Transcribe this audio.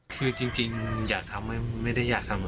คือจริงอยากทำไม่ได้อยากทำ